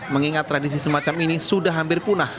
mengingat tradisi semacam ini sudah hampir punah